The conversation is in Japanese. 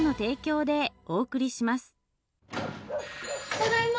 ただいま！